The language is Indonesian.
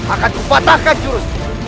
akan kupatahkan jurusmu